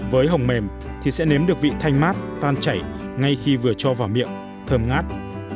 với hồng mềm thì sẽ nếm được vị thanh mát tan chảy ngay khi vừa cho vào miệng thơm ngát